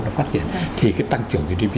nó phát hiện thì cái tăng trưởng gdp